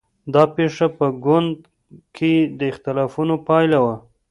دا پېښه په ګوند کې د اختلافونو پایله وه.